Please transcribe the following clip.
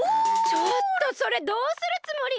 ちょっとそれどうするつもり！？